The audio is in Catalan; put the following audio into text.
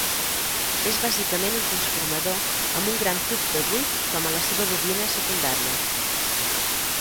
És bàsicament un transformador amb un gran tub de buit com a la seva bobina secundària.